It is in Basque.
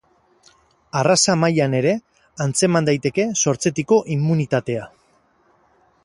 Arraza mailan ere antzeman daiteke sortzetiko immunitatea.